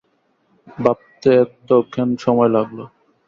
ভাবতে এত কেন সময় লাগলো?